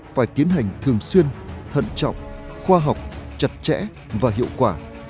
phải tiến hành thường xuyên thận trọng khoa học chặt chẽ và hiệu quả